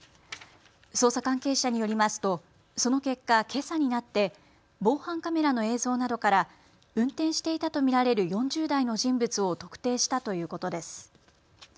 捜査関係者によりますとその結果、けさになって防犯カメラの映像などから運転していたと見られる４０代の人物を特定したということです。